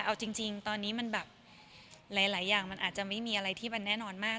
เอาจริงตอนนี้มันแบบหลายอย่างมันอาจจะไม่มีอะไรที่มันแน่นอนมาก